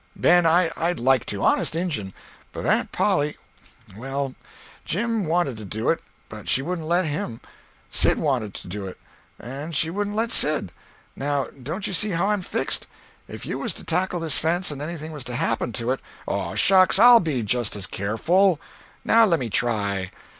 "Ben, I'd like to, honest injun; but Aunt Polly—well, Jim wanted to do it, but she wouldn't let him; Sid wanted to do it, and she wouldn't let Sid. Now don't you see how I'm fixed? If you was to tackle this fence and anything was to happen to it—" "Oh, shucks, I'll be just as careful. Now lemme try.